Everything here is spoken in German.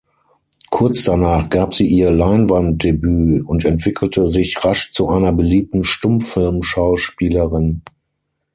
Kurz danach gab sie ihr Leinwanddebüt und entwickelte sich rasch zu einer beliebten Stummfilmschauspielerin.